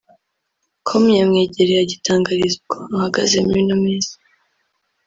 com yamwegereye agitangariza uko ahagaze muri ino minsi